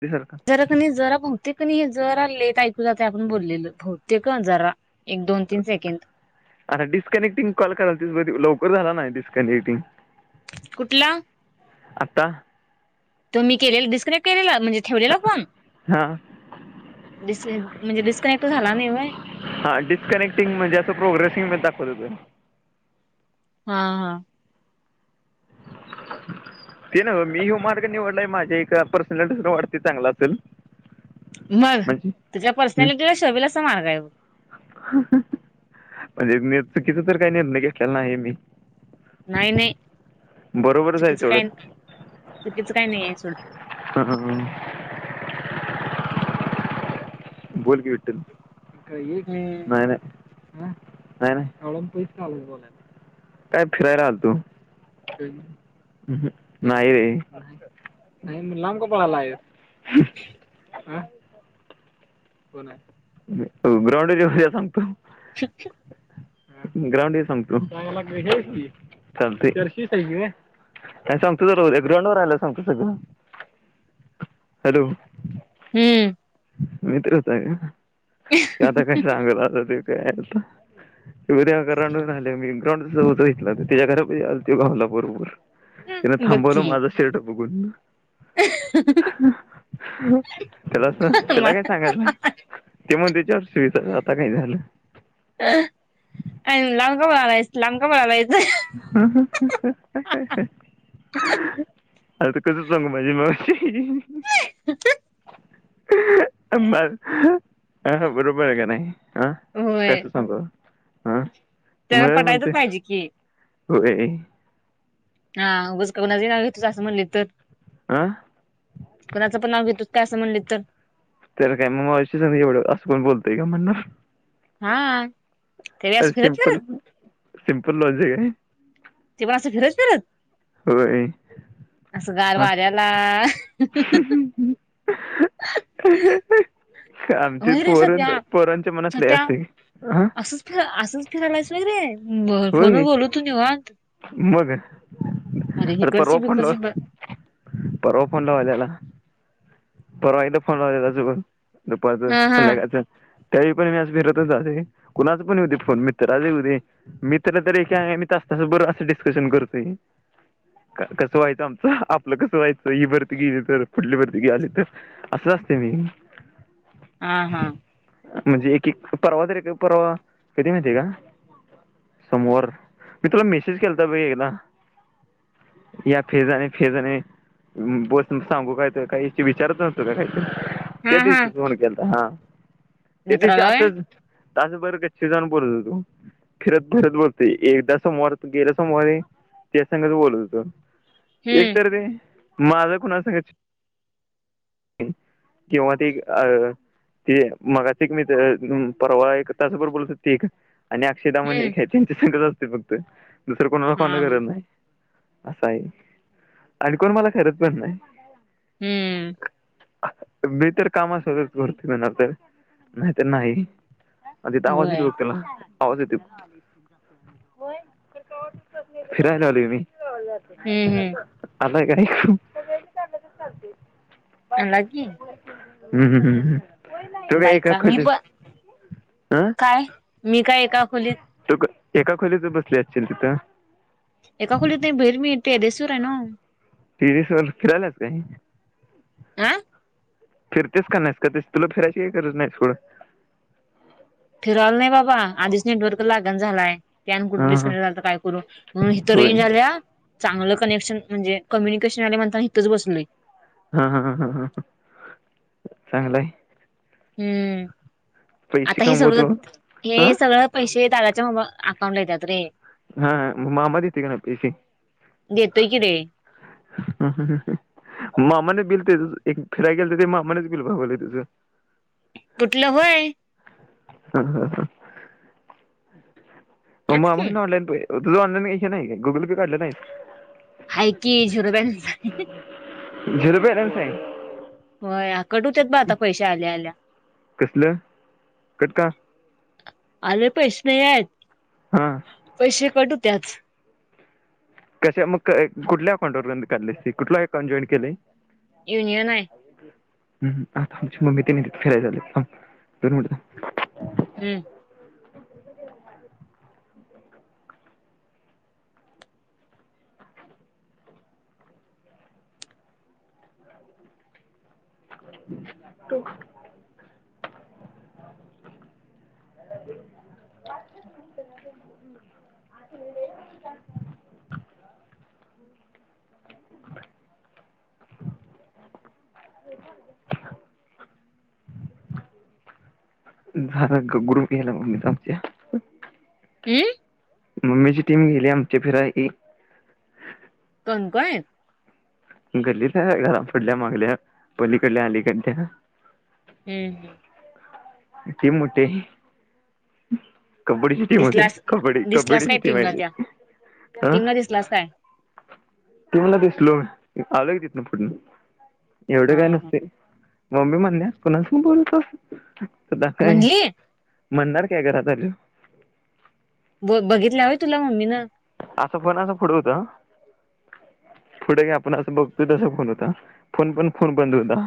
ते सर का जरा क जरा बहूतेक हे जर आ लेट आहे जात ते आपण बोललेलं भौतेिक आंजारा आता डिस्कनेक्टिंग कॉल कराल त ल बर झाला नाय डिस्कनेक्टिंग? कुठला? आता तो मी केले डिस्कनेक्ट केलेल? म्हणजे ठेवलेला फोन, हां डिस्कनेट, म्हणजे डिस्कनेट झालानय व्हय? हां परब्रह्म हा, हा ते न मी ह मार्ग निवडलाय माझ्या एका पर्सनल वाढते चांगला असेल मग म्हणजे तुझ्या हं, पर्सनॅलिटीला शोभेल असा मार्ग आहे. म्हणजे मी चुकीचं तर काही निर्णय घेतलेला नाहीय मी नाही, नाही बरोबरच आहे चुकीचं सोडं काय? चुकीचं काही नाहीय ड [unintelligible] तर [inaudible] बोल कि विठ्ठल का, एक हम्म नाही नाही नाही नाही काय फिरायला आलतो नाही, रे लांब का पळायलास? हह- [unintelligible] ग्राउंडवर यायला सांगतो [inaudible] ग्राउंडवर सांगतो चालतय नाही सांगतो सगळं उद्या ग्राउंड वर आल्यावर सांगतो सगळ हॅलो! हम्म मित्रचय ते आता काय सांगलं आता ते काय ग्राउंड आल्या मी ग्राउंड घेतलं तर त्याच्या घरात आ त भावूला गोड भरपूर तिन बघ थांबवलं की माझा शर्ट, बघून त्याला अस त्याला काय? [unintelligible] म्हंदच्याार [unintelligible] शता आता काय झालं? बलायचंका बलायचं [unintelligible] हं हं हं आता कस सांगू माझी मावशी हं आब [unintelligible] आ बरोबर आहे का नाय? हा होय. कस सांगवत आ आ त्याला मलाच पटायचं म्हणते? पाहिजे की व्हय हा उगच कुणाचं नाव घेतलं असं म्हणलं तर? हा कोणाचं पण नाव घेतलं का असं म्हणले तर तरला काय मग माशी संधी एवढं असं कोण बोलतय का म्हणण हा ते असस फिरत ना सिंपल लोज का तेव्हा असं फिरच फत असं गार वाऱ्याला ह् आमची व्हय रे पोर सत्या पोरांच्या मनातले असते की ह तु फि झाला अससग रे बर फोनवर बोलू तू निव मग आ पर्वा हिकडची फड बिकडची ब पर्वा फडला परवाहीथ फोन चुक दुपारचं हा हा संध्याकाळचं त्याळी पण मी आज फिरतच जाते कुणाच पण येऊ दे फोन मित्रच येऊ दे मित्र तर एक मी तास तास बर डिस्कशन करतोय कसं व्हायचं आमचं आपलं कसं व्हायचं ही भरती गेली तर कुठली भरती गे आली असं असते मी हा हा म्हणजे एक एक परवा तर एक परवा कधी माहिती का समोवर मी तुला मेसेज केला तर ब एकदा या फेजने फेजने बस सांगू काय तर काही ते विचारत नत काही हा ते हा दिवशीच होन केता हा ते दिशी मित्राला व्हय असंच तच बरो कच्छ जण बोलत होतो फिरत फिरत बोलतो एकदा समवार गेल्या सोमोर त्या संगात बोलत होतो एक हम्म तरर ते माझं कोुणा असं किंवा ती अ ते मगा त एक मी परवा एक तसबबर बोलत त एक आणि अक्षयदाणे हम्म हे त्यांची संगत फक्त दुसरं कोणाला हा फन करत नाही असं आहे आणि कोण मला खरच पण नाही हम्म मी तरर कामासच करतो ना तर नाही तर नाही अ तवाजील होय गघतला आवज येतोय फिरायला आलोय मी [unintelligible] हम्म हम्म [unintelligible] चालते. आला की. हम् हम हम बायका मी पण हा काय मी काय एका खोलीत तू क- एका खोलीतच बसली असतील तिथं. एका खोलीत नाही बाहेर मी इथे दिसू राही ना. टेरेस वर फिरायलात. [unintelligible] आं फिरतेस का नाही फिरतेस तुला फिरायची ही गरज नाहीस सोड. फिरायला नाही बाबा आधीच [unintelligible] हा हा होय [unintelligible] चांगलं कनेक्शन म्हणजे कम्युनिकेशन आणि म्हणताय इथंच बसलोय. हा हा ह चांगलंय. हम्म आता हे सगळं कमवतो हा हे सगळं पैसे दादाच्या म अकाउंट ला येतात रे. हा मामा देतोय का नाय पैसे देतोय की रे हुं हुं हुं मामाने बिल तेच फिराय गेल तर मामानेच बिल भागवलंय तुझं. कुठलं व्हय. ह ह ह म तेच की मामाकडंन ऑनलाइन पै तुझ ऑनलाईन हे नाय काय गुगल पे काढलं नाहीस. हाय की झिरो बॅलन्स हाय. झिरो बॅलन्स हाय. होय कट हुत्यात ब आता पैश आल्या आल्या. कसलं कट का आले पैसे. हा पैसे कट हुत्यात कशा मग क कुठल्या अकाउंट वरन काढलसी कुठल अकाउंट जॉईन केलय. युनियन आहे. हम् ह आता आमची मम्मी की नाही फिराय चालेय थांब दोन मिनिटं थांब हम्म [inaudible] [inaudible] [inaudible] दहाचा ग्रुप यायल्यात आमच्या हम्म मम्मीची टीम गेली आमची फिराय की तण काय गल्लीत हाय घरा पुढल्या मागल्या पलीकडल्या आलीकडल्या हम्म हम्म इतुन मोठे कबड्डी ची टीम होती दिसलास कबड्डी दिसलास कबड्डीची काय टीम टीमला आहेे त्या ती अ टीमला दिसलास काय टीमला दिसलो मी [unintelligible] तिथ ना पुढण. एवढ हा काय हा नसतय. मम्मी म्हणल्या कुणासंग बोलतोस. त दा काय? म्हणली म्हणणार काय घरात आल्यावर ब बघितल्या व्हय तुला मम्मी न असा फोन असा पुढं होता पुढे घे आपण असं बघतोय त फोन होता फोन पण फोन बंद होता.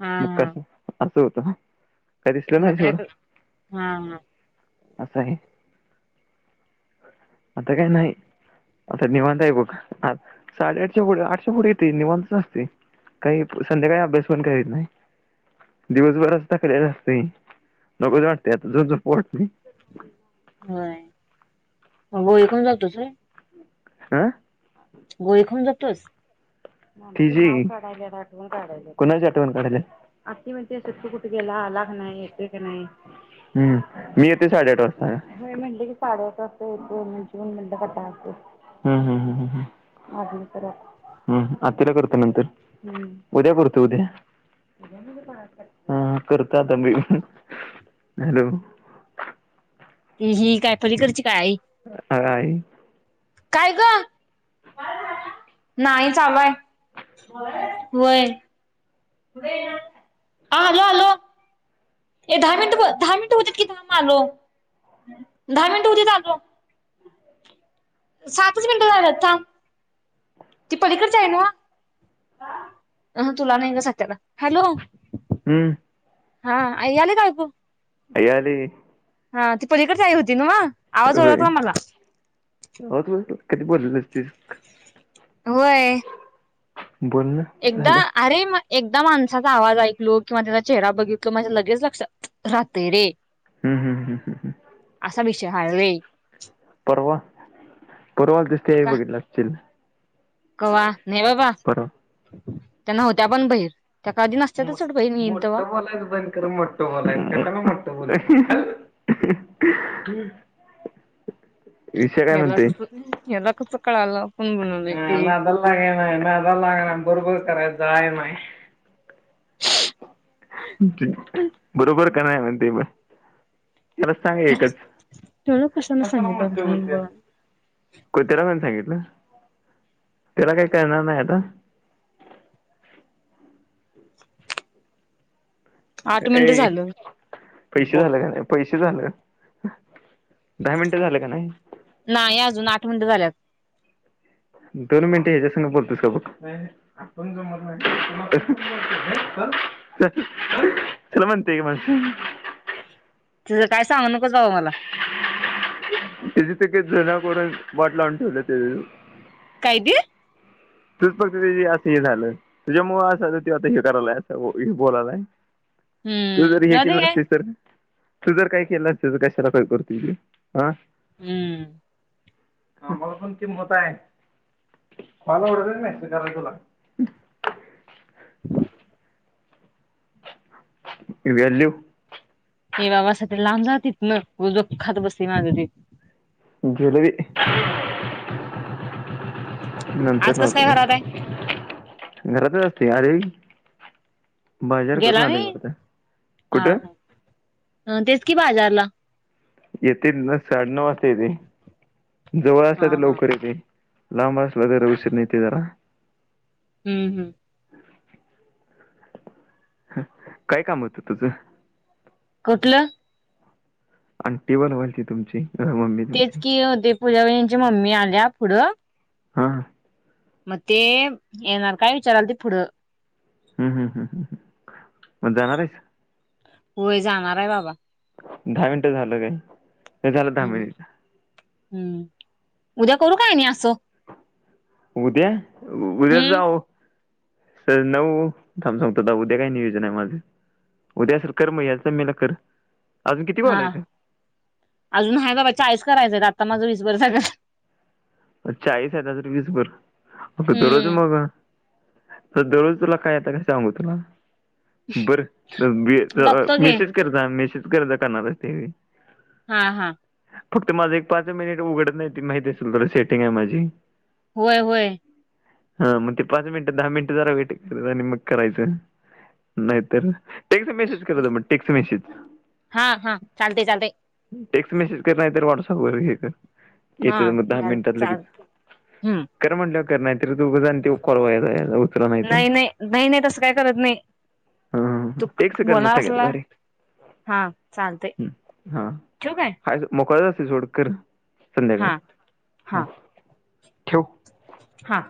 हा हा अस होता. म काय क हा असं आहे. आता काही नाही आता निवांत आहे बघ आठ साडेआठच्या पुढे आठच्या पुढे येतोय निवांतच असतोय काही संध्याकाळी अभ्यास पण करीत नाय दिवसभर नुसता फिरत असतत लघच वाटते आता झो झोपू वाटत्या. अंघोळी करून जातस व्हय. हा गरी खण ज तोस आठव काढायला कुणा आठवण काढायला आ म्हण तू कुठे गेला आला क नाही येते क नाही मी येते साडेआठ वाजता म्हण की साडेआठ वाजता येते म्हण म्ह हम आ तिला करत नंतर उद्या करतो उद्या ह करत आता ब हॅलो ह ह काय परीकडची आय काय ग नाही लय होय हॅलो हॅलो ए दहा मिनिट दहा मिनिट होतीत कि ाम आलो दहा मिनिट उतीत आलो सातच मिनिटं झाल्या ती पलीकडच आहे ना अ तुला नाही ग सत्याला हॅलो हम्म हा याल काायपू अय्याली हा ती पलीकडच आ होती ना होय होत कधी बोललसतेस होय बोल ना एकदा झालं अरे म एकदा माणसाचा आवाज ऐकलो किंवा त्याचा चेहरा बघितलो माझ्या लगेच लक्षात राहतय रे. हम्म हम्म हम्म हम् हम असा विषय हाय होय. परवा परवाच दिसतेली का बघितलं असचील. कवा? नाही बाबा. त्या नव्हत्या पण बाहीर. मो मोटं बोलायचं बन कर मोठठं बोलायच कशाला मोठं बोलायच [unintelligible] याला कसं अम याला कच कळालं आपण बनवलंय आ ते नादाल लागायच नाय नादाल लागय ना बरोबर. [unintelligible] जाय नाही बरोबर का नाही म्हणते म त्याला त्याला कशांना सांगितलं [unintelligible] कोण त्याला कोण सांगितलं, त्याला काही कळणार नाही आता. आठ मिनिटं ए झालं. पैसे झालं का नाही पैसे झालं. दहा मिनिटं झालं का नाही नाही अजून आठ मिंट झाल्यात. दोन मिनिटे ह्याच्या संग बोलतोस काय बग, चल म्हणते की मग तुझं काय सांगू नकोस. अ मला त्याजी ते जुण्याकडून वाट लावून ठेवलं ते काय दे? तूच फक्त ते असं हे झालं तुझ्या मुळ असल तो आता हे कयलाय बोलालाय. तू हम्म जर हे जाऊ दे केलं काय नसतीस तर तू जर काय केलं नसते तर कशाला काय करतोय तो हं. हम्म. आम्हाला पण किंमत हाय. [unintelligible] ती व्हॅल्यू ये बाबा सकड लांब जा तिथन उगच डोकं खात बसतय माझं ते. जलेबी. [unintelligible] [unintelligible] आज नंतर लाव कसं काय घे, घरात आहे घरातच तयारी गेला नाही हा कुठं हा तेच कि बाजारला येतील ना साडेनउ वाजता येते जवळ आसत हा तर हा. लवकर येते. लांब आसल जरा उशीरन येते जरा हम्म हम्म. काय काम होतं तुझं. कुठलं? आण्टी बनवायची तुमची अं, मम्मी तेच तुमची कि ते पूजावही नी ची मम्मी आल्या पुढं हा मग ते येणार काय विचारालतीत पुढं हम्म हम्म हम्म मग जाणार आहेस? होय जाणार आहे बाबा दहा मिनटं झालं काय. हे झालं दहा हम्म. मिनिट हम्म उद्या करू काय आणि आसं उद्या उद्या हम्म. जाऊ सर नऊ थांब सांगतो थांब उद्या काय नियोजन आहे माझं उद्या [unintelligible] हा आहेत? आजून आहे बाबा चाळीस करायचंय आता माझं वीसभर झाल्यात चाळीस आहेत आजून वीस भर अ दरोज हम्म मगं दरोज तुला काय आता कास सांगू तुला बर बघतो घे मेसेज कर जा मेसेज कर जा करनार असतेवेळी हा हा फक्त माझं एक पाच मिनिट उघडत नाही ते माहिती असेल तर सेट टिंग आहे माझी व्हय व्हय हा मग ते पाच मिनिट दहा मिनिट जरा वेट कर आणि मग करायचं नाहीतर टेक्ट मेसेज कर जा मग टेक्ट मेसेज हा हा चालते चालते टेक्स्ट मेसेज कर नाही तर व्हॉट्सअप वर हे कर हा येते मग दहा चाल मिनिटात चाल लगेच हम्म. कर म्हटलं कर नाहीतर तो ऊगच आणि तो कॉल वाया जायाचा नाही नाही नाही नाही तसं काय करत नाही तू टेक्स्ट कर मग बोलनार सगळ्यात आसला भारी हा चालतय हा ठेवू काय [unintelligible] मोकळच असतयं सोड कर, हा हा. संध्याकाळच ठेव, हा